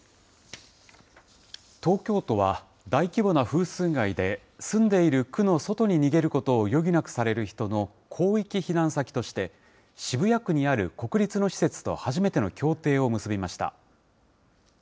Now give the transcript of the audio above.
東京都は大規模な風水害で住んでいる区の外に逃げることを余儀なくされる人の広域避難先として、渋谷区にある国立の施設と初めての協定を結びました。